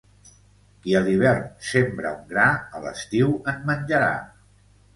Qui a l'hivern sembra un gra, a l'estiu en menjarà.